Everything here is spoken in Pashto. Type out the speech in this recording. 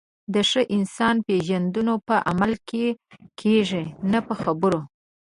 د ښه انسان پیژندنه په عمل کې کېږي، نه په خبرو.